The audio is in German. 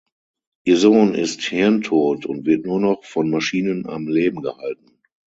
Ihr Sohn ist hirntot und wird nur noch von Maschinen am Leben gehalten.